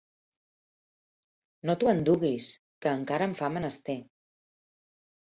No t'ho enduguis, que encara em fa menester.